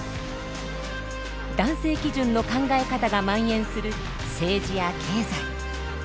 男性基準の考え方がまん延する政治や経済。